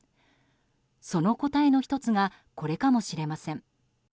その答えの１つがこれかもしれません。